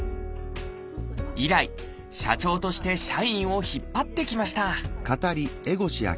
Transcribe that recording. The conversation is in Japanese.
以来社長として社員を引っ張ってきました